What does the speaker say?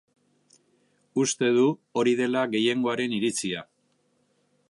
Uste du hori dela gehiengoaren iritzia.